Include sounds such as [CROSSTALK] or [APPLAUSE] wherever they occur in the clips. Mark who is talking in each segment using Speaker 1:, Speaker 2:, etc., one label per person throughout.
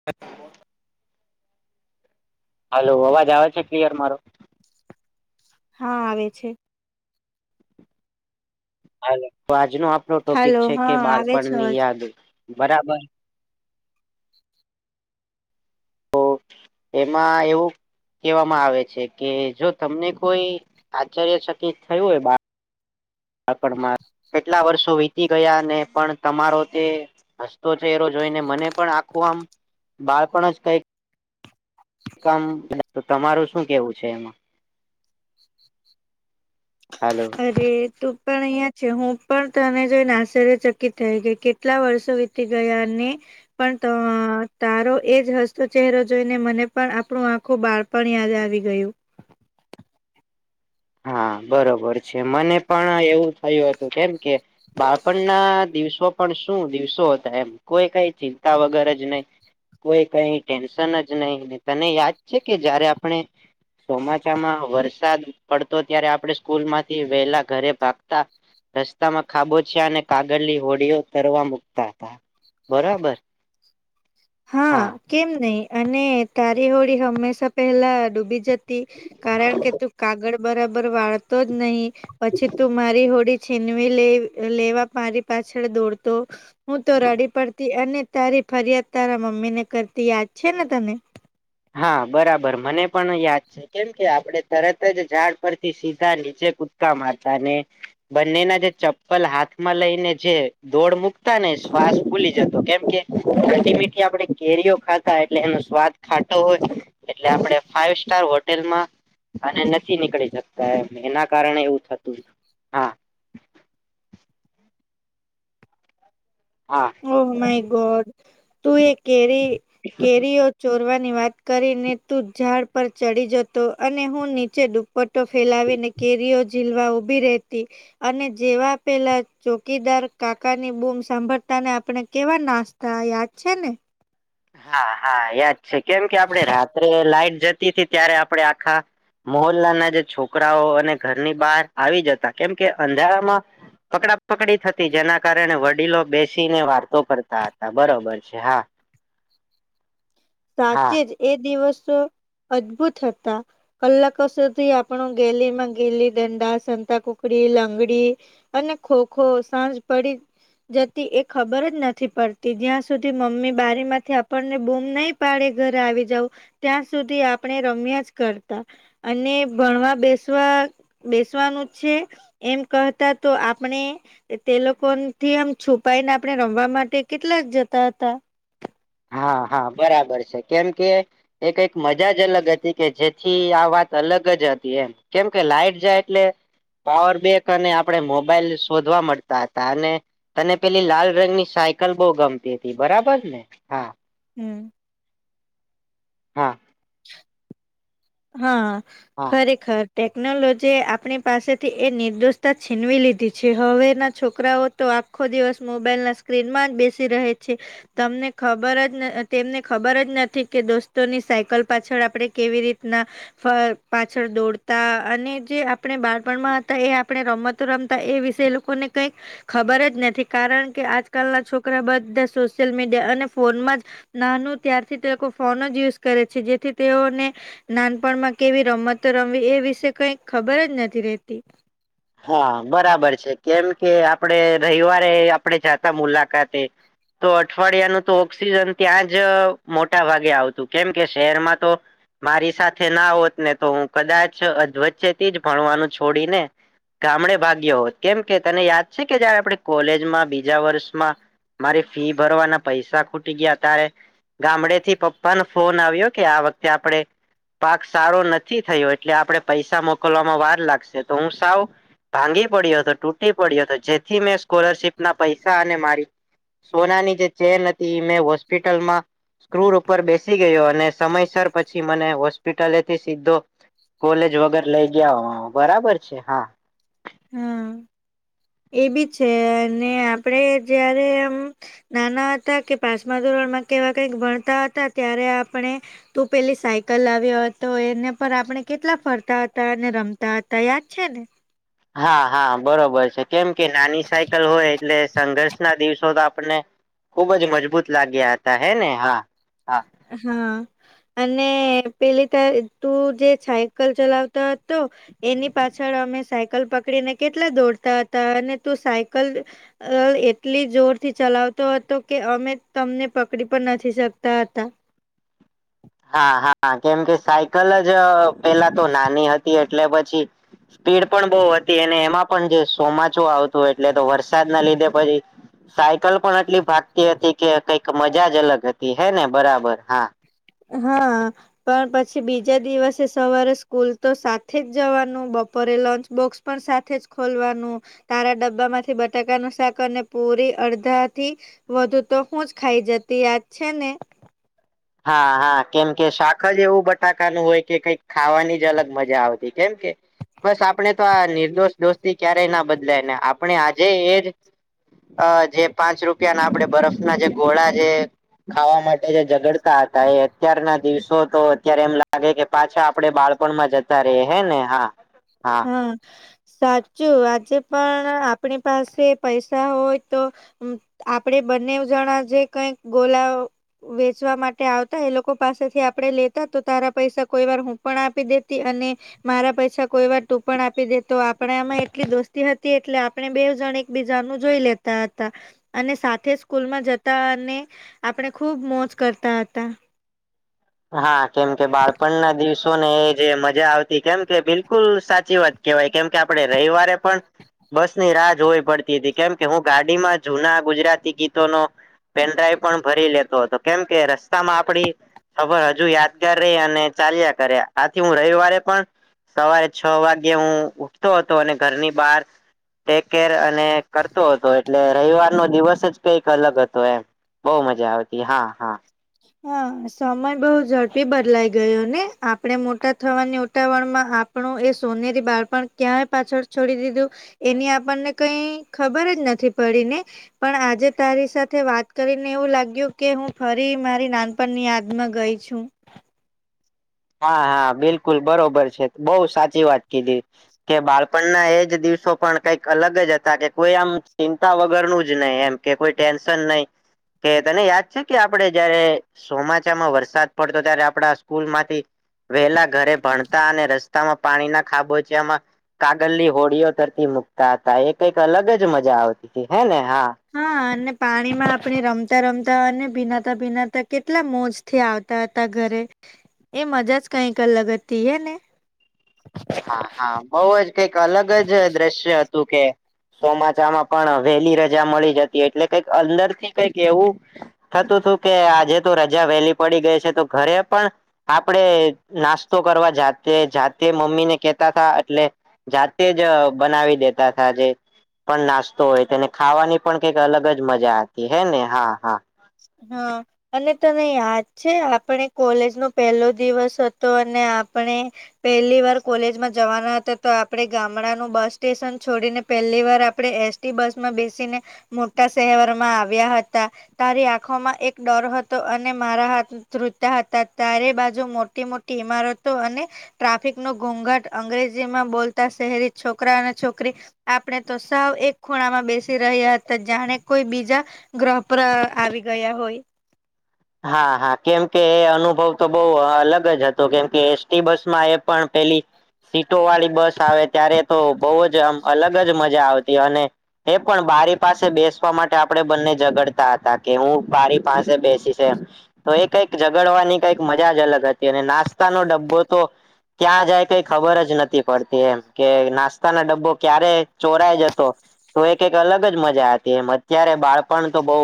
Speaker 1: [INAUDIBLE] હાલો અવાજ આવે છે ક્લિયર મારો?
Speaker 2: હા આવે છે.
Speaker 1: હાલો તો આજનો આપણ ટોપિક
Speaker 2: હાલો
Speaker 1: છે કે
Speaker 2: હા આવે છે
Speaker 1: બાળપણની
Speaker 2: અવાજ
Speaker 1: યાદ બરાબર. હું એમાં એવું- કહેવામાં આવે છે કે જો તમને કોઈ આચાર્યચકિત થયું હોય બા આપણ માર કેટલા વર્ષો વિ ગયા ને પણ તમારો તે હસ્તો ચેહરો જોઈને મને પણ આખું આમ- બાળપણ જ કઈક- કામ ઝ તો તમારું શું કેવું છે એમાં- હલો
Speaker 2: અરે.. તું પણ અહિયાં છે, હું પણ તને જોઈને આશ્ચર્ય ચકિત થઈ ગઈ, કે.. કેટલા વર્ષો વીતી ગયા, ને.. પણ ત અ તારો એજ હસ્તો ચહેરો જોઈને, મને પણ આપણું આખું બાળ પણ યાદ આવી ગયું
Speaker 1: હા બરોબર છે મને પણ એવું થયું હતું કેમ કે બાળપણ ના દિવસો- પણ શું દિવસો હતા એમ કોઈ કઈ ચિંતા વગર જ નહી- કોઈ કઈ ટેન્શન જ નહીંને તને યાદ છે કે જયારે આપણે- ચોમાસામાં વરસાદ પડતો ત્યારે આપડણે સ્કૂલ માંથી વહેલા ઘરે ભાગતા- રસ્તામાં ખાબોછિયા અને કાગળની હોડીઓ તરવા મુકતા હતા બરાબર-
Speaker 2: હા કેમ નહી અને તારી હોળી હંમેશા પહેલા ડૂબી જતી- તી કારણ કે તું કાગળ બરાબર વાળતો જ નહી પછી તું મારી હોડી છીનવી લે લેવા મારી પાછળ દોડતો હું તો રડી પડતી અને- તારી ફરિયાદ તારા મમ્મી ને કરતી યાદ છે ને તને-
Speaker 1: હા બરાબર મને પણ યાદ છે. કેમ કે, આપણે તરત જ ઝાડ પરથી સીધા નીચે કુદકા મારતા ને બંનેના જે ચપ્પલ હાથમાં લઈને, જે દોડ મુકતા ને શ્વાસ ભૂલી જતો. કેમ કે [UNINTELLIGIBLE] મીઠી આપડે કેરીઓ ખાતા એટલે એનો સ્વાદ ખાટો હોય, એટલે આપણે ફાઈવ સ્ટાર હોટેલમાં અને નથી નીકળી શકતા, એમ એના કારણે એવું થતું. હા હા
Speaker 2: ઓ માય ગોડ. તું એ કેરી, કેરીઓ ચોરવાની વાત કરીને, તું ઝાડ પર ચડી જતો, અને હું નીચે ડુ પટો ફેલાવી ને કેરીઓ ઝીલવા ઊભી રહેતી. અને જેવા પેલા ચોકીદાર કાકા ની બૂમ સાંભળ તાને, આપણે કેવા નાસ્તા યાદ છે ને
Speaker 1: હા-હા યાદ છે. કેમ કે, આપણે રાત્રે લાાઈટ જતી હતી ત્યારે આપડે આખા મોહલ્લાના જે છોકરાઓ અને ઘરની બહાર આવી જતા. કેમ કે, અંધારામાં પકડા-પકડી થતી, જેના કારણે વડીલો બેસીને વાતો કરતા હતા. બરોબર છે, હા. હા
Speaker 2: સાચે જ, એ દિવસો અદભુત હતા. કલાકો સુધી આપણું ગેલી માં ગેલી દંડા, સંતાકુકડી, લંગડી અને ખોખો સાંજ પડી જતી. એ ખબર જ નથી પડતી, જ્યાં સુધી મમ્મી બારી માંથી આપણને બૂમ નહી પાડે ઘર આવી જાઉ, ત્યાં સુધી આપણે રમ્યા જ કરતા. અને ભણવા બેસવા બેસવાનું છે એમ કહતા, તો આપણે તે લોકોથી આમ છુપાઈને, આપણે રમવા માટે કેટલા જતા હતા.
Speaker 1: હા-હા બરાબર છે. કેમ કે એ કઈક મજા જ અલગ હતી, કે જેથી આ વાત અલગ જ હતી એમ. કેમ કે, લાઈટ જાય એટલે પાવર બેંક અને આપણે મોબાઈલ શોધવા મળતા હતા, અને તને પેલી લાલ રંગની સાયકલ બહુ ગમતી હતી, બરાબર હા
Speaker 2: હમ્મ.
Speaker 1: હમ્મ.
Speaker 2: હા.
Speaker 1: હા
Speaker 2: ખરેખર. ટેકનોલોજીએ આપણી પાસેથી એ નિર્દોષતા છીનવી લીધી છે. હવેના છોકરાઓ તો આખો દિવસ મોબાઈલ ના સ્ક્રીનમાં જ બેસી રહે છે. તમને ખબર જ તેમને ખબર જ નથી, કે દોસ્તોની સાયકલ પાછળ આપણે કેવી રીત ના ફર પાછળ દોડતા. અને જે આપણે બાળપણમાં હતા, એ આપણે રમત રમતા. એ વિશે એ લોકોને કંઈક ખબર જ નથી. કારણ કે, આજકાલના છોકરા બધા સોશિયલ મીડિયા અને ફોનમાં જ નાનું ત્યારથી તે લોકો ફોન જ યુઝ કરે છે જેથી તેઓને નાનપણમાં કેવી રમતો રમવી એ વિશે કઈ ખબર જ નથી રેતી.
Speaker 1: હા, બરાબર છે, કેમ કે આપડે રવિવારે આપડે જાતા મુલાકાતે. તો અઠવાડિયાનું તો ઓક્સિજન ત્યાં જ મોટા ભાગે આવતું. કેમ કે, શહેરમાં તો મારી સાથે ના હોત ને તો, હું કદાચ અધવચ્ચેથી જ ભણવાનું છોડી ને ગામડે ભાગ્યો હોત. કેમ કે, તને યાદ છે કે જયારે આપણે કોલેજમાં, બીજા વર્ષમાં મારી ફી ભરવાના પૈસા ખૂટી ગયા ત્યારે ગામડે થી પપ્પાનો ફોન આવ્યો, કે આ વખતે આપણે પાક સારો નથી થયો, એટલે આપણે પૈસા મોકલવામાં વાર લાગશે. તો હું સાવ ભાંગી પડ્યો હતો, તૂટી પડ્યો હતો, જેથી મેં સ્કૉલરશિપ ના પૈસા અને મારી સોના ની જે ચેન હતી, મેં હોસ્પિટલ માં સ્ક્રુર ઉપર બેસી [UNINTELLIGIBLE] ગયો અને સમયસર પછી મને હોસ્પિટલેથી સીધો કોલેજ વગર લઈ ગયા બરાબર છે. હા.
Speaker 2: હા. એ બી છે, અને આપડે જયારે આમ નાના હતા કે પાચમા ધોરણમાં કેવા કઈક ભણતા હતા ત્યારે આપણે તું પેલી સાયકલ લાવ્યો હતો એને પર આપણે કેટલા ફરતા હતા અને રમતા હતા યાદ છે ને
Speaker 1: હા હા બરોબર છે કેમ કે નાની સાયકલ હોય એટલે સંઘર્ષ ના દિવસો તો આપને ખુબ જ મજબૂત લાગ્યા હતા હે ને હા હા.
Speaker 2: હા. અને પેલી તાર તું જે સાયકલ ચલાવતો હતો. એની પાછળ અમે સાયકલ પકડીને કેટલા દોડતા હતા અને તું સાયકલ અ એટલી જોરથી ચલાવતો હતો કે અમે તમને પકડી પણ નથી શકતા હતા.
Speaker 1: હા હા કેમ કે સાયકલ જ પેલા તો નાની હતી એટલે પછી સ્પીડ પણ બહુ હતી અને એમાં પણ જે ચોમાસું આવતું એટલે તો વરસાદના લીધે પછી સાયકલ પણ આટલી ભાગતી હતી કે કઈક મજા જ અલગ હતી હે ને બરાબર હા.
Speaker 2: હા. પણ પછી બીજા દિવસે સવારે સ્કૂલ તો સાથે જ જવાનું બપોરે લંચ બોક્સ પણ સાથે જ ખોલવાનું. તારા ડબ્બા માંથી બટાકાનું શાક અને પૂરી અડધા થી વધુ તો હું જ ખાઈ જતી યાદ છે ને.
Speaker 1: હા હા કેમ કે શાક જ એવું બટાકાનું હોય કે કંઈક ખાવાની જ અલગ મજા આવતી કેમ કે બસ આપણે તો આ નિર્દોષ દોસ્તી ક્યારેય ના બદલાય ને આપણે આજે એ જ અ જે પાંચ રૂપિયા ના આપડે બરફ ના જે ગોળા છે જે ખાવા માટે જે ઝગડ હતા એ અત્યારના દિવસો તો અત્યારે એમ લાગે કે પાછા આપડે બાળપણમાં જ રહી હે ને હા.
Speaker 2: હા. સાચું આજે પણ આપણી પાસે પૈસા હોય તો આપડે બંને જણા જે કઈક ગોલાઓ વેચવા માટે આવતા એ લોકો પાસેથી આપડે લેતા તો તારા પૈસા કોઈ વાર હું પણ આપી દેતી અને મારા પૈસા કોઈ વાર તું પણ આપી દેતો આપડામાં એટલી દોસ્તી હતી એટલે આપણે બે જણ એક બીજા નું જોઈ લેતા હતા. અને સાથે સ્કૂલ માં જતા અને આપણે ખુબ મોજ કરતા હતા.
Speaker 1: હા કેમ કે બાળપણ ના દિવસો ને એ જે મજા આવતી કેમ કે બિલકુલ સાચી વાત કેવાય કેમ કે આપણે રવિવારે પણ બસ ની રાહ જોવી પડતી હતી કેમ કે હું ગાડીમાં જૂના ગુજરાતી ગીતો નો પેનડ્રાઈવ પણ ભરી લેતો હતો કેમ કે રસ્તામાં આપડી ખબર હજુ યાદગાર રે અને ચાલ્યા કર્યા આથી હું રવિવારે પણ સવારે છ વાગે હું ઉઠતો હતો અને ઘરની બાર [UNINTELLIGIBLE] અને કરતો હતો એટલે રવિવાર નો દિવસ જ કઈક અલગ હતો એમ બહુ મજા આવતી હા હા.
Speaker 2: હા સમય બહુ ઝડપી બદલાઈ ગયો ને આપડે મોટા થવાની ઉતાવળમાં પણ એ સોનેરી બાળપણ ક્યાંય પાછળ છોડી દીધું એની આપણને કઈ ખબર જ નથી પડી ને પણ આજે તારી સાથે વાત કરીને એવું લાગ્યું કે હું ફરી મારી નાનપણની યાદ માં ગઈ છું.
Speaker 1: હા હા બિલકુલ બરોબર છે બઊ સાચી વાત કીધી. કે બાળપણના એજ દિવસો પણ કઈક અલગ જ હતા કે કોઈ આમ ચિંતા વગરનું જ નહી એમ. કે કોઈ ટેન્શન નઈ. કે તને યાદ છે કે આપડે જયારે ચોમાસામાં વરસાદ પડતો ત્યારે આપડા સ્કૂલ માંથી વેલા ઘરે ભણતા અને રસ્તામાં પાણી ના ખાબોચ્યામાં કાગલની હોડીઓ તરતી મુકતા હતા એ કઈક અલગ જ મજા આવતી હતી હે ને હા.
Speaker 2: હા અને પાણીમાં આપણે રમતા રમતા અને ભીનાતા ભીનાતા કેટલા મોજ થી આવતા હતા ઘરે એ મજા જ કઈક લગતી હે ને.
Speaker 1: હા હા બઉ જ કઈક અલગ જ દ્રશ્ય હતું કે ચોમાચામાં પણ વહેલી રજા મળી જતી એટલે કઈક અંદર થી કઈક એવું- થતું હતું કે આજે તો રજા વહેલી પડી ગઈ છે તો ઘરે પણ- આપડે નાસ્તો કરવા જાતે જાતે- મમ્મી ને કેતા [UNINTELLIGIBLE] થા એટલે જાતે જ બનાવી દેતા થા જે- પણ નાસ્તો હોય તેને ખાવાની પણ કઈક અલગ જ મજા હતી હે ને હા હા
Speaker 2: [INAUDIBLE] અને તને યાદ છે આપણે કોલેજ નો પહેલો દિવસ હતો અને આપણે- પહેલી વાર કોલેજમાં જવાના હતા તો આપડે ગામડાનુંબસ સ્ટેશન છોડીને પહેલી વાર આપણે એસ- [UNINTELLIGIBLE] બસમાં બેસીને મોટા શહેવારમાં આવ્યા હતા તારી- [UNINTELLIGIBLE] એક ડર હતો અને મારા હાથ [UNINTELLIGIBLE] હતા [UNINTELLIGIBLE] બાજુ મોટી મોટી ઈમારતો અને ટ્રાફિક ન ઘોઘાટ અંગ્રેજીમાં બોલતા શહેરી છોકરા અને છોકરી- આપણે તો સાવ એક ખૂણામાં બેસી રહ્યા હતા જાણે કોઈ બીજા- ગ્રહ પર આવી ગયા હોય.
Speaker 1: હા હા કેમકે એ અનુભવ તો બહ અલગ જ હતો કેમકે એસટી બસ માં એ પણ પેલી- સીટો વાળી બસ આવે ત્યારે તો બહ જ આમ અલગ જ મજા આવતી અને- એ પણ બારી પાસે બેસવા માટે આપણેે બંને ઝગડતા હતા કે હું બારી પાસે બેસી- તો એ કઈક ઝગડવાની કઈક મજા જ અલગ હતી અને નાસ્તાનો ડબ્બો તો- ત્યાં જાય કઈ ખબર જ નથી પડતી એમ કે નાસ્તાના ડબ્બો ક્યારે- ચોરાય જ હતો- તો એક એક અલગ જ મજા હતી એમ અત્યારે બાળપણ તો બઉ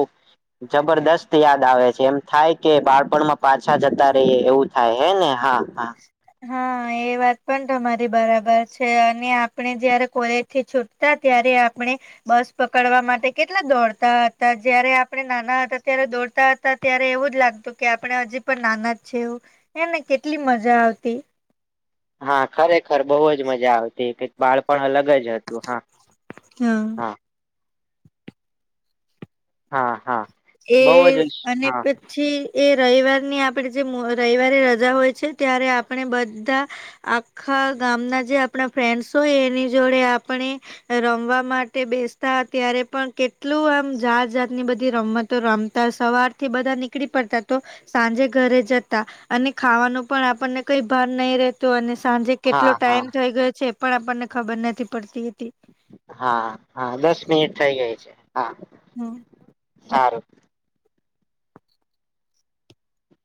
Speaker 1: જબરદસ્ત યાદ આવે છે. જેમ થાય કે બાળપણમાં પાછા જતા રહીએ એવું થાય હે ને [UNINTELLIGIBLE]
Speaker 2: [INAUDIBLE] એ વાત પણ તમારી બરાબર છે અને આપણે જયારે કોલેજ થી છૂટતા ત્યારે આપણે- બસ પકડવા માટે કેટલા દોડતા હતા જયારે આપણે નાના હતા ત્યારે દોડતા હતા- ત્યારે એવું જ લાગતું કે આપડણે હજી પણ નાના જ છે એ એને કેટલી મજા આવતી- [INAUDIBLE]
Speaker 1: હા ખરેખર બહુ જ મજા આવતીક બાળપણ અલગ જ હતું હા
Speaker 2: [INAUDIBLE]
Speaker 1: હા હા હા
Speaker 2: એ
Speaker 1: બહુ જ
Speaker 2: અને [INAUDIBLE]
Speaker 1: હા
Speaker 2: [UNINTELLIGIBLE] રવિવારની આપણે જે રવિવારે રજા હોય છે ત્યારે આપણે બધા આખા ગામના જે આપણા ફ્રેન્ડસ હોય એની જોડે આપણે- રમવા માટે બેસતા ત્યારે પણ કેટલું આમ જાત જાતની બધી રમત- તો રમતા સવારથી બધા નીકળી પડતા તો- સાંજે ઘરે જતા અને ખાવાનું પણ આપણને કઈ [UNINTELLIGIBLE] નહીિ રતો અને સાંજે- કેટલો
Speaker 1: હા હા
Speaker 2: ટાઈમ થઈ ગયો છે એ પણ આપણને ખબર નથી પડતી હતી.
Speaker 1: હા હા દસ મિનિટ થઇ ગઈ છે હા-
Speaker 2: [INAUDIBLE]
Speaker 1: [INAUDIBLE]